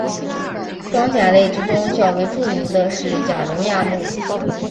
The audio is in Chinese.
装甲类之中较为著名的是甲龙亚目。